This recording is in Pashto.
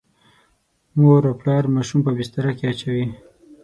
مور او پلار ماشوم په بستره کې اچوي.